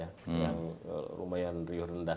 yang lumayan riuh rendah